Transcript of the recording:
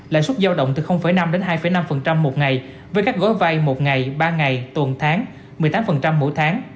lãi suất giao động từ năm đến hai năm một ngày với các gói vay một ngày ba ngày tuần tháng một mươi tám mỗi tháng